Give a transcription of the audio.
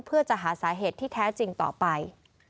เพื่อจะหาสาเหตุที่แท้จริงต่อไป